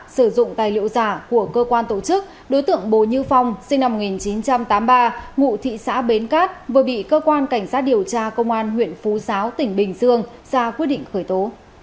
sử dụng tài liệu giả của cơ quan tổ chức đối tượng bùi như phong sinh năm một nghìn chín trăm tám mươi ba ngụ thị xã bến cát vừa bị cơ quan cảnh sát điều tra công an huyện phú giáo tỉnh bình dương ra quyết định khởi tố